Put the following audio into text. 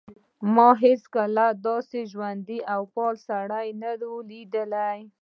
ما هیڅکله داسې ژوندی او فعال سړی نه و لیدلی